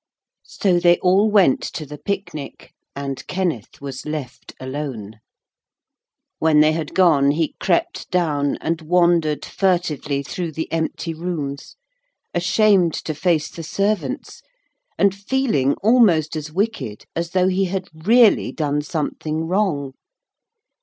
So they all went to the picnic, and Kenneth was left alone. When they had gone he crept down and wandered furtively through the empty rooms, ashamed to face the servants, and feeling almost as wicked as though he had really done something wrong.